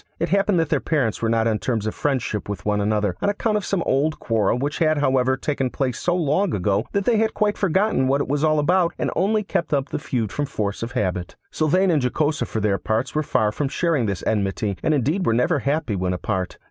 It happened that their parents were not on terms of friendship with one another, on account of some old quarrel, which had, however, taken place so long ago, that they had quite forgotten what it was all about, and only kept up the feud from force of habit. Sylvain and Jocosa for their parts were far from sharing this enmity, and indeed were never happy when apart.